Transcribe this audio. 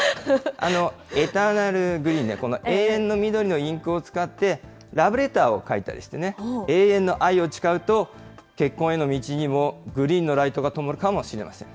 エターナルグリーンね、この永遠の緑のインクを使って、ラブレターを書いたりしてね、永遠の愛を誓うと結婚への道にも、グリーンのライトがともるかもしれません。